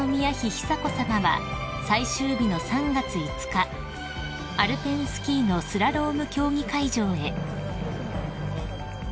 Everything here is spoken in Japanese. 久子さまは最終日の３月５日アルペンスキーのスラローム競技会場へ］